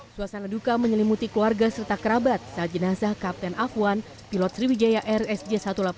suasana duka menyelimuti keluarga serta kerabat saat jenazah kapten afwan pilot sriwijaya rsj satu ratus delapan puluh